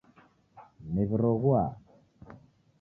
Niw'iroghua